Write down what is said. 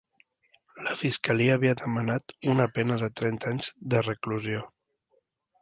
La fiscalia havia demanat una pena de trenta anys de reclusió.